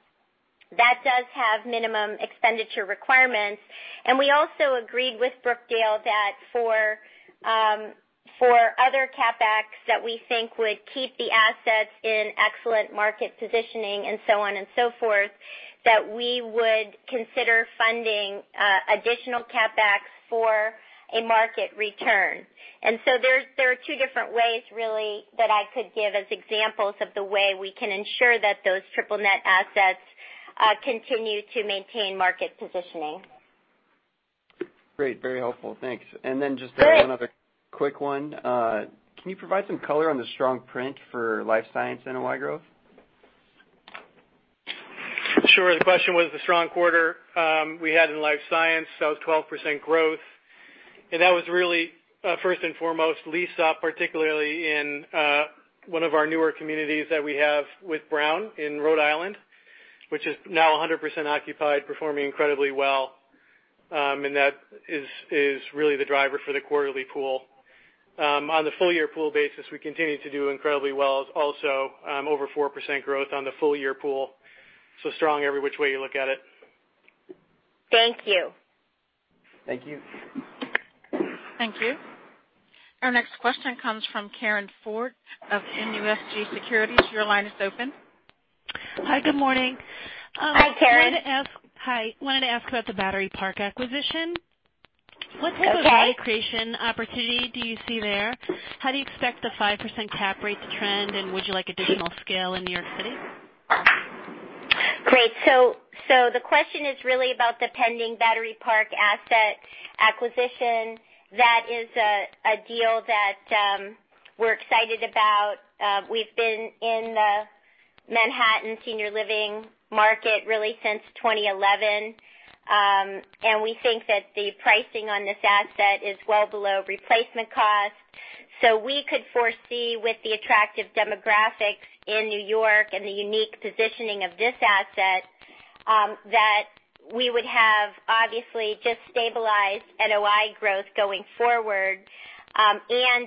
that does have minimum expenditure requirements. We also agreed with Brookdale that for other CapEx that we think would keep the assets in excellent market positioning and so on and so forth, that we would consider funding additional CapEx for a market return. There are two different ways really that I could give as examples of the way we can ensure that those triple net assets continue to maintain market positioning. Great. Very helpful. Thanks. Great. Just one other quick one. Can you provide some color on the strong print for life science NOI growth? Sure. The question was the strong quarter we had in life science, 12% growth, and that was really, first and foremost, lease up, particularly in one of our newer communities that we have with Brown in Rhode Island, which is now 100% occupied, performing incredibly well. That is really the driver for the quarterly pool. On the full year pool basis, we continue to do incredibly well. Also, over 4% growth on the full year pool, strong every which way you look at it. Thank you. Thank you. Thank you. Our next question comes from Karin Ford of MUFG Securities. Your line is open. Hi, good morning. Hi, Karin. Hi. Wanted to ask about the Battery Park acquisition. Okay. What type of value creation opportunity do you see there? How do you expect the 5% cap rates to trend, and would you like additional scale in New York City? Great. The question is really about the pending Battery Park asset acquisition. That is a deal that we're excited about. We've been in the Manhattan senior living market really since 2011. We think that the pricing on this asset is well below replacement cost. We could foresee with the attractive demographics in New York and the unique positioning of this asset, that we would have obviously just stabilized NOI growth going forward.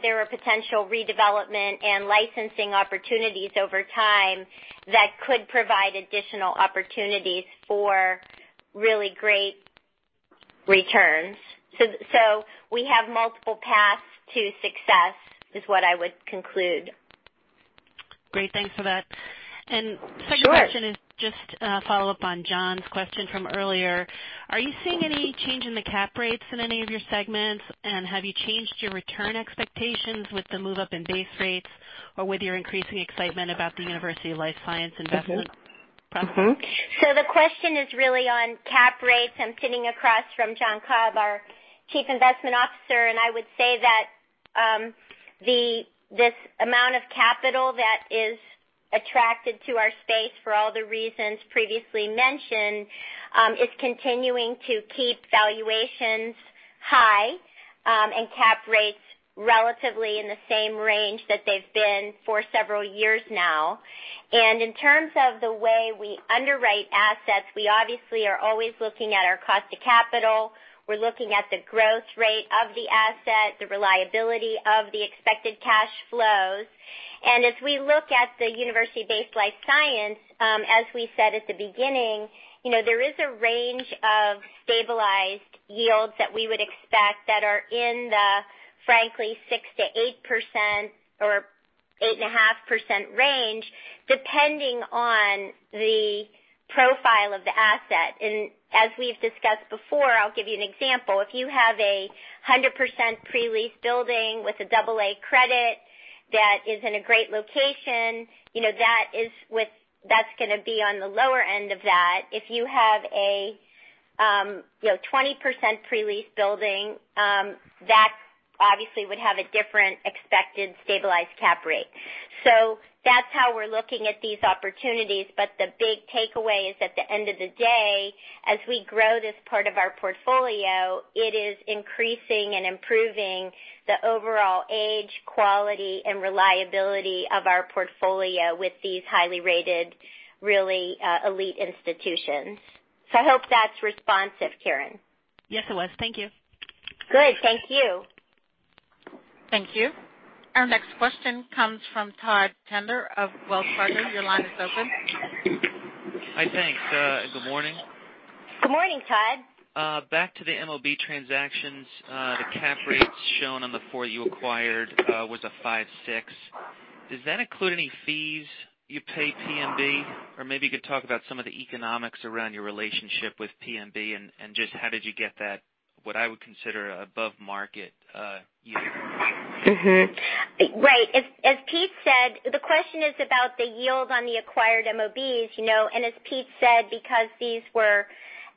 There are potential redevelopment and licensing opportunities over time that could provide additional opportunities for really great returns. We have multiple paths to success, is what I would conclude. Great. Thanks for that. Sure. Second question is just a follow-up on John's question from earlier. Are you seeing any change in the cap rates in any of your segments? Have you changed your return expectations with the move-up in base rates or with your increasing excitement about the university life science investment process? The question is really on cap rates. I'm sitting across from John Cobb, our Chief Investment Officer, I would say that this amount of capital that is attracted to our space for all the reasons previously mentioned, is continuing to keep valuations high, and cap rates relatively in the same range that they've been for several years now. In terms of the way we underwrite assets, we obviously are always looking at our cost to capital. We're looking at the growth rate of the asset, the reliability of the expected cash flows. As we look at the university-based life science, as we said at the beginning, there is a range of stabilized yields that we would expect that are in the, frankly, 6%-8% or 8.5% range, depending on the profile of the asset. As we've discussed before, I'll give you an example. If you have a 100% pre-leased building with a AA credit that is in a great location, that's going to be on the lower end of that. If you have a 20% pre-leased building, that obviously would have a different expected stabilized cap rate. That's how we're looking at these opportunities. The big takeaway is, at the end of the day, as we grow this part of our portfolio, it is increasing and improving the overall age, quality, and reliability of our portfolio with these highly rated, really elite institutions. I hope that's responsive, Karin. Yes, it was. Thank you. Good. Thank you. Thank you. Our next question comes from Todd Stender of Wells Fargo. Your line is open. Hi, thanks. Good morning. Good morning, Todd. Back to the MOB transactions. The cap rates shown on the four you acquired was a 5.6. Does that include any fees you pay PMB? Maybe you could talk about some of the economics around your relationship with PMB and just how did you get that, what I would consider above market yield. Right. As Pete said, the question is about the yield on the acquired MOBs. As Pete said, because these were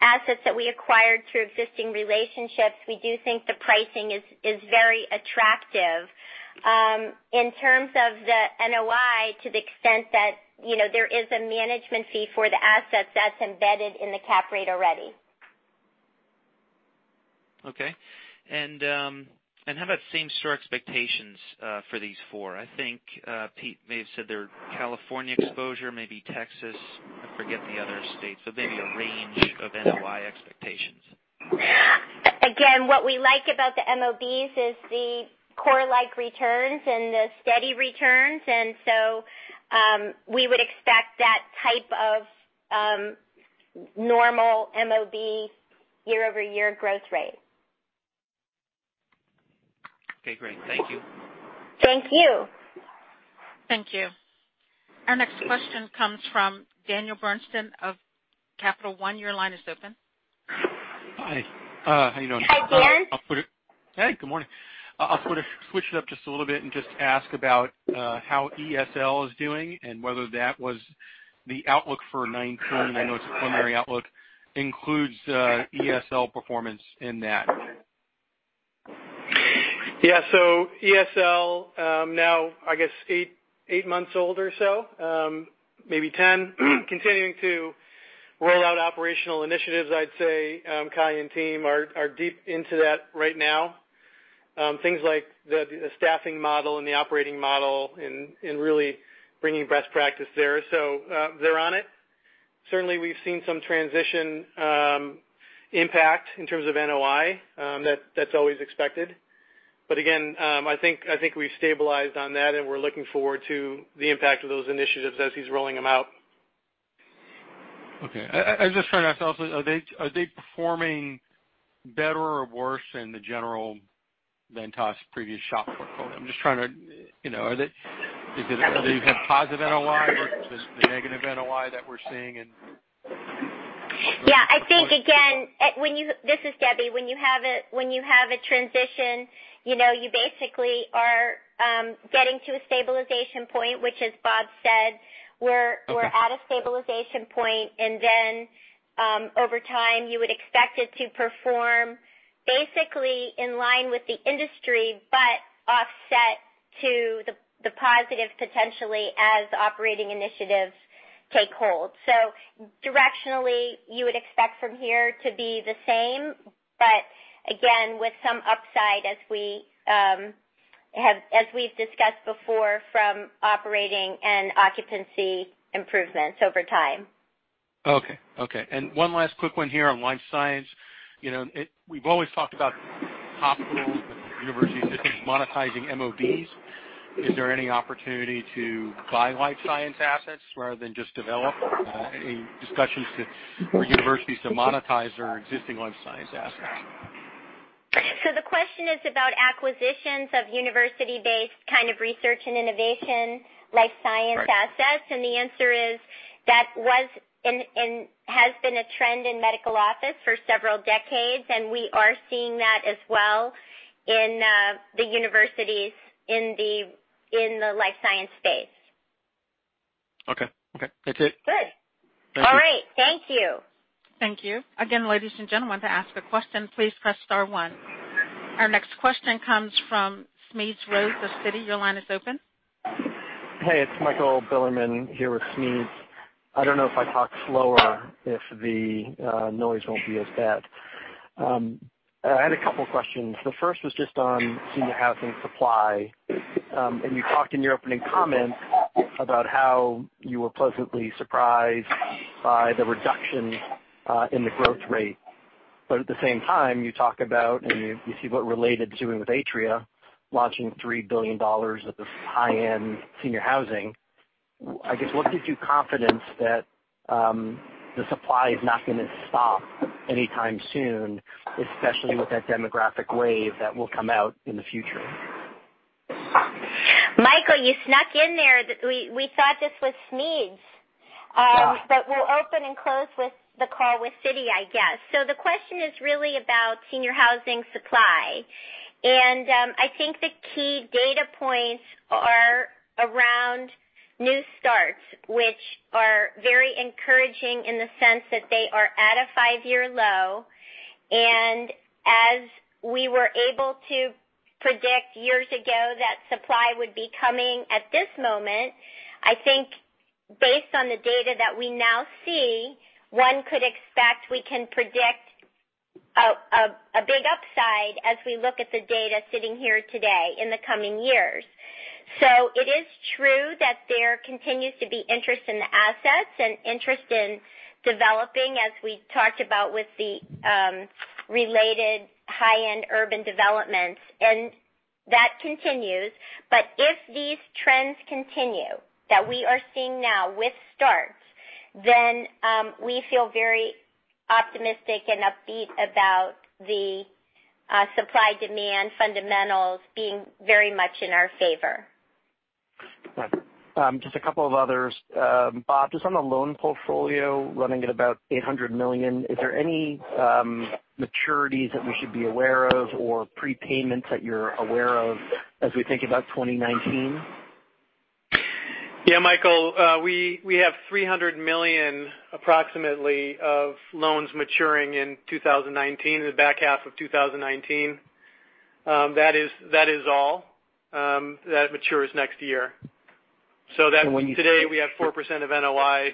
assets that we acquired through existing relationships, we do think the pricing is very attractive. In terms of the NOI, to the extent that there is a management fee for the assets, that's embedded in the cap rate already. How about same-store expectations for these four? I think Pete may have said their California exposure, maybe Texas, I forget the other states, but maybe a range of NOI expectations. Again, what we like about the MOBs is the core-like returns and the steady returns. We would expect that type of normal MOB year-over-year growth rate. Okay, great. Thank you. Thank you. Thank you. Our next question comes from Daniel Bornstein of Capital One. Your line is open. Hi, how you doing? Hi, Dan. Hey, good morning. I want to switch it up just a little bit and just ask about how ESL is doing and whether that was the outlook for 2019. I know it's a preliminary outlook, includes ESL performance in that. ESL, now, I guess, eight months old or so, maybe 10, continuing to roll out operational initiatives, I'd say Kai and team are deep into that right now. Things like the staffing model and the operating model and really bringing best practice there. They're on it. Certainly, we've seen some transition impact in terms of NOI. That's always expected. Again, I think we've stabilized on that, and we're looking forward to the impact of those initiatives as he's rolling them out. Okay. I just try and ask also, are they performing better or worse than the general Ventas previous SHOP portfolio? Do you have positive NOI versus the negative NOI that we're seeing? Yeah. I think again, this is Debra. When you have a transition, you basically are getting to a stabilization point, which as Bob said. Okay We're at a stabilization point, over time, you would expect it to perform basically in line with the industry, offset to the positive potentially as operating initiatives take hold. Directionally, you would expect from here to be the same, again, with some upside as we've discussed before from operating and occupancy improvements over time. Okay. One last quick one here on life science. We've always talked about hospitals and universities monetizing MOBs. Is there any opportunity to buy life science assets rather than just develop any discussions for universities to monetize their existing life science assets? The question is about acquisitions of university-based kind of research and innovation life science assets. Right. The answer is that was and has been a trend in medical office for several decades, and we are seeing that as well in the universities in the life science space. Okay. That's it. Good. Thank you. All right. Thank you. Thank you. Again, ladies and gentlemen, to ask a question, please press star one. Our next question comes from Smedes Rose, Citi. Your line is open. Hey, it's Michael Bilerman here with Smedes. I don't know if I talk slower, if the noise won't be as bad. I had a couple questions. The first was just on senior housing supply. You talked in your opening comments about how you were pleasantly surprised by the reduction in the growth rate. At the same time, you talk about, and you see what Related Companies doing with Atria Senior Living, launching $3 billion of high-end senior housing. I guess, what gives you confidence that the supply is not going to stop anytime soon, especially with that demographic wave that will come out in the future? Michael, you snuck in there. We thought this was Smedes. Yeah. We'll open and close with the call with Citi, I guess. The question is really about senior housing supply. I think the key data points are around new starts, which are very encouraging in the sense that they are at a five-year low. As we were able to predict years ago, that supply would be coming at this moment. I think based on the data that we now see, one could expect we can predict a big upside as we look at the data sitting here today in the coming years. It is true that there continues to be interest in the assets and interest in developing, as we talked about with the Related high-end urban developments. That continues. If these trends continue that we are seeing now with starts, we feel very optimistic and upbeat about the supply-demand fundamentals being very much in our favor. Right. Just a couple of others. Bob, just on the loan portfolio running at about $800 million, is there any maturities that we should be aware of or prepayments that you're aware of as we think about 2019? Yeah, Michael. We have $300 million, approximately, of loans maturing in 2019, in the back half of 2019. That is all that matures next year. Today, we have 4% of NOI.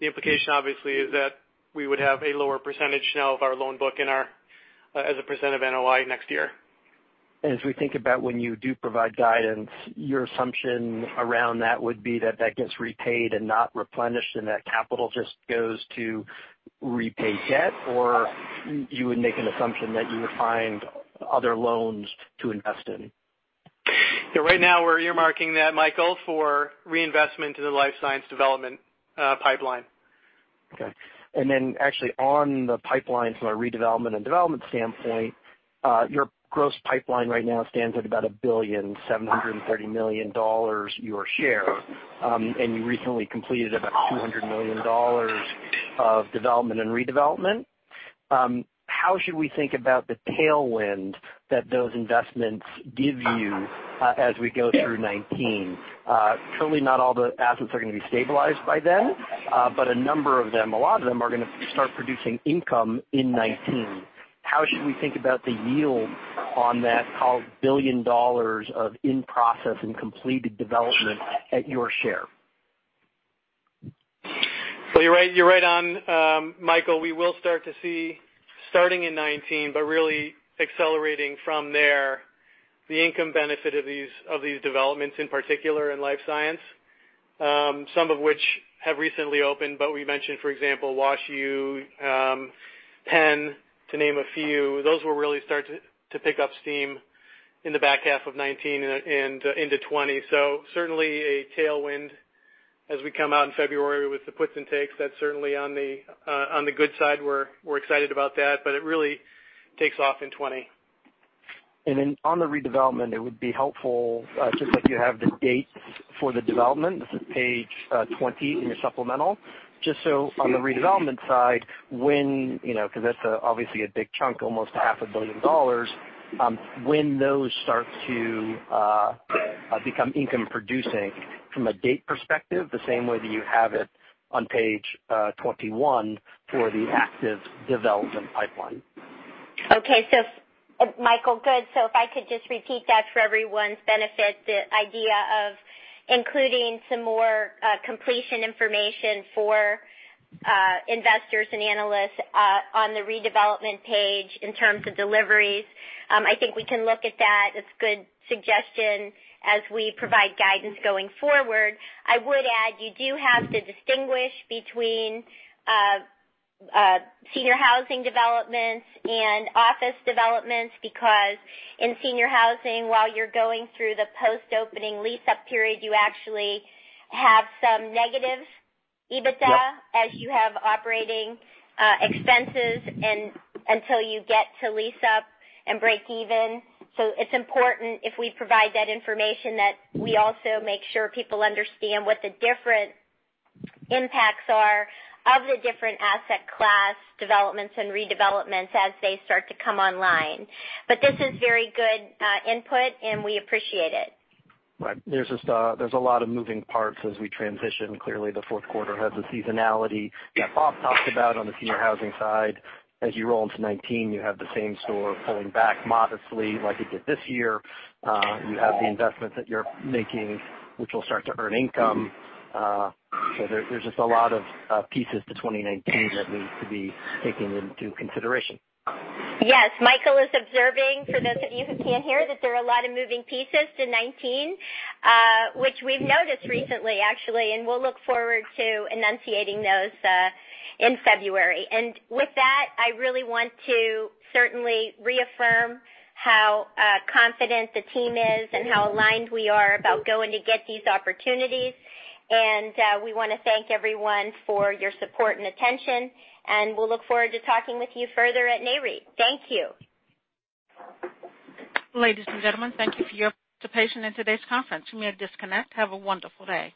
The implication, obviously, is that we would have a lower percentage now of our loan book as a percent of NOI next year. As we think about when you do provide guidance, your assumption around that would be that that gets repaid and not replenished, and that capital just goes to repay debt, or you would make an assumption that you would find other loans to invest in? Yeah. Right now, we're earmarking that, Michael, for reinvestment into the life science development pipeline. Okay. Actually on the pipeline, from a redevelopment and development standpoint, your gross pipeline right now stands at about $1.73 billion, your share. You recently completed about $200 million of development and redevelopment. How should we think about the tailwind that those investments give you as we go through 2019? Surely not all the assets are going to be stabilized by then. A number of them, a lot of them, are going to start producing income in 2019. How should we think about the yield on that $1 billion of in-process and completed development at your share? You're right on, Michael. We will start to see, starting in 2019, but really accelerating from there, the income benefit of these developments, in particular in life science, some of which have recently opened. We mentioned, for example, WashU, Penn, to name a few. Those will really start to pick up steam in the back half of 2019 and into 2020. Certainly a tailwind as we come out in February with the puts and takes. That's certainly on the good side. We're excited about that. It really takes off in 2020. On the redevelopment, it would be helpful, just like you have the dates for the development, this is page 20 in your supplemental. On the redevelopment side, because that's obviously a big chunk, almost half a billion dollars, when those start to become income producing from a date perspective, the same way that you have it on page 21 for the active development pipeline. Michael, good. If I could just repeat that for everyone's benefit, the idea of including some more completion information for investors and analysts on the redevelopment page in terms of deliveries. I think we can look at that. It's a good suggestion as we provide guidance going forward. I would add, you do have to distinguish between senior housing developments and office developments, because in senior housing, while you're going through the post-opening lease-up period, you actually have some negative EBITDA as you have operating expenses until you get to lease up and break even. It's important if we provide that information, that we also make sure people understand what the different impacts are of the different asset class developments and redevelopments as they start to come online. This is very good input, and we appreciate it. Right. There's a lot of moving parts as we transition. Clearly, the fourth quarter has a seasonality that Bob talked about on the senior housing side. As you roll into 2019, you have the same store pulling back modestly like it did this year. You have the investments that you're making, which will start to earn income. There's just a lot of pieces to 2019 that need to be taken into consideration. Yes. Michael is observing, for those of you who can't hear, that there are a lot of moving pieces to 2019, which we've noticed recently, actually, and we'll look forward to enunciating those in February. With that, I really want to certainly reaffirm how confident the team is and how aligned we are about going to get these opportunities. We want to thank everyone for your support and attention, and we'll look forward to talking with you further at Nareit. Thank you. Ladies and gentlemen, thank you for your participation in today's conference. You may disconnect. Have a wonderful day.